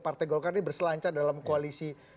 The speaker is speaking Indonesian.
partai golkar ini berselancar dalam koalisi